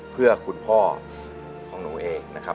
เพื่อคุณพ่อของหนูเองนะครับ